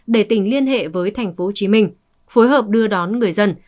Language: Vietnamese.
để tỉnh liên hệ với tp hcm phối hợp đưa đón người dân